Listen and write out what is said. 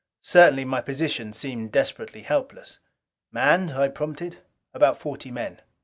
Certainly my position seemed desperately helpless. "Manned " I prompted. "About forty men."